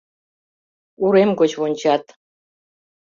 Урем гоч вончат.